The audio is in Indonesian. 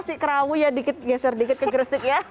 nasi kerawunya dikit geser dikit ke kristik ya